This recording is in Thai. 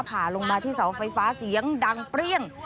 ผ่าลงมาที่เสาไฟฟ้าเสียงดังเปรี้ยง